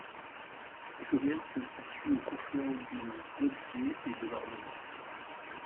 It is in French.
Sauvenière se situe au confluent du Baudecet et de l'Orneau.